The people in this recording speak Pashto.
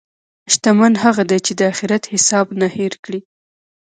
شتمن هغه دی چې د اخرت حساب نه هېر کړي.